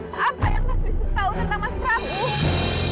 apa yang mas wisnu tahu tentang mas prabu